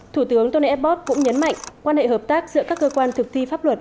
thủ tướng tony abbott cũng nhấn mạnh quan hệ hợp tác giữa các cơ quan thực thi pháp luật